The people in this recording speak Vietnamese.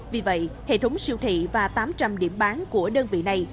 vì vậy hệ thống siêu thị và tám trăm linh điểm bán của đơn vị này